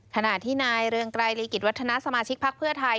ถนาที่นายเรื่องกลายลีกิจวัฒนาสมาชิกภักดิ์เพื่อไทย